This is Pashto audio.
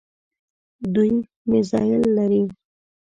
دوی میزایل لري.